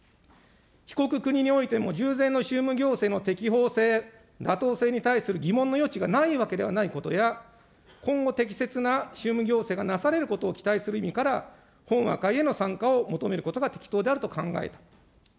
被告国においても従前の宗務行政の適法性、妥当性に対する疑問の余地がないわけではないことや、今後適切な宗務行政がなされることを期待する意味から、本和解への参加を求めることが適当であると考えたと。